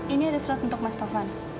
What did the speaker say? ini ada surat untuk mas taufan